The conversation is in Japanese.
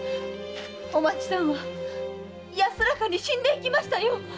おまちさんは安らかに死んでいきましたよ。